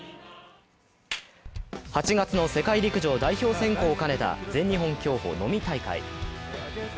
８月の世界陸上代表選考を兼ねた全日本競歩能美大会。